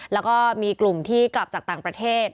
แล้วก็มีกลุ่มที่กลับจากต่างประเทศ